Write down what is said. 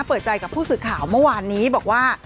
เปิดใจกับผู้สื่อข่าวเมื่อวานนี้บอกว่า